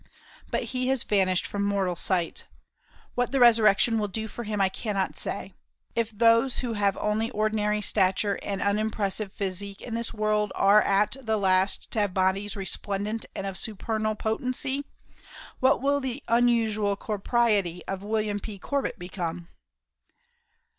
But he has vanished from mortal sight. What the resurrection will do for him I cannot say. If those who have only ordinary stature and unimpressive physique in this world are at the last to have bodies resplendent and of supernal potency, what will the unusual corporiety of William P. Corbit become?